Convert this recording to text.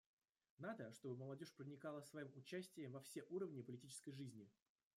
Надо, чтобы молодежь проникала своим участием во все уровни политической жизни.